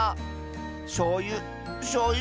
しょうゆしょうゆ